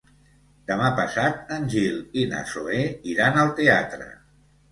Demà passat en Gil i na Zoè iran al teatre.